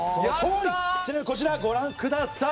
ちなみにこちらご覧ください。